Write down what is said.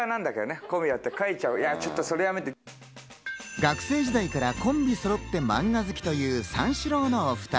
学生時代からコンビそろってマンガ好きという三四郎のお２人。